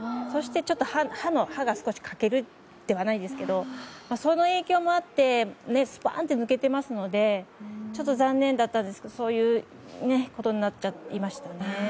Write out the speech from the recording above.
そして刃が少し欠けるではないですけどその影響もあってスパーンって抜けてますのでちょっと残念だったんですけどそういうことになっちゃいましたね。